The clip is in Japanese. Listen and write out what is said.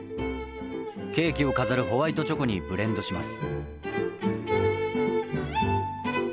ケーキを飾るホワイトチョコにブレンドします。